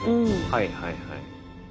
はいはいはい。